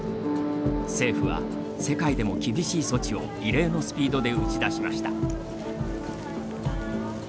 政府は世界でも厳しい措置を異例のスピードで打ち出しました。